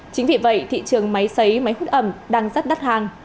chính vì vậy thị trường máy xấy máy hút ẩm đang rất đắt hàng